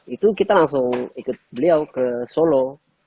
itu kita langsung ikut beliau ke solo